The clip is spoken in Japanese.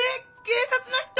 警察の人！？